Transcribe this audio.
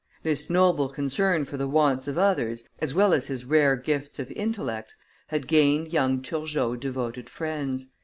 This noble concern for the wants of others, as well as his rare gifts of intellect, had gained young Turgot devoted friends.